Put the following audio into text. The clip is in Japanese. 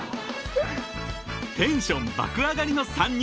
［テンション爆上がりの３人］